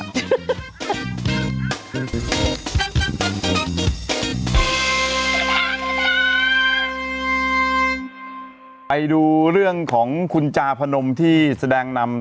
ไปดูเรื่องของคุณจาพนมที่แสดงนำ